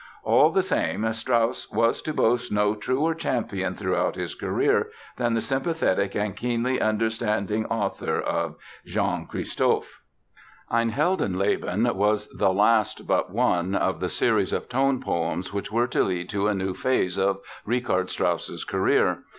All the same Strauss was to boast no truer champion throughout his career than the sympathetic and keenly understanding author of Jean Christophe. Ein Heldenleben was the last but one of the series of tone poems which were to lead to a new phase of Richard Strauss's career.